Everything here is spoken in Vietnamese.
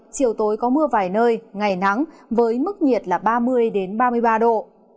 chiều tối có mưa vài nơi ngày nắng với mức nhiệt là ba mươi ba mươi ba độ